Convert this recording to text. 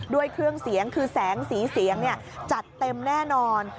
ด้วยเครื่องเสียงคือแสงสีเสียงจัดเต็มแน่นอน